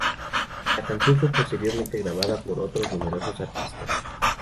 La canción fue posteriormente grabada por otros numerosos artistas.